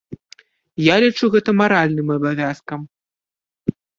Я лічу гэта маральным абавязкам.